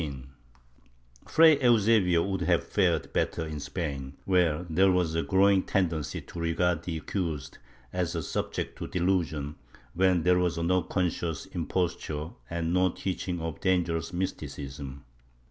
^ Fray Eusebio would have fared better in Spain, where there was a growing tendency to regard the accused as subject to delusion, when there was no conscious imposture and no teaching of danger ous Mysticism.